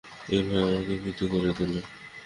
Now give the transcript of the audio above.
এই ভয়ই আমাদেরকে ভীতু করে তোলে।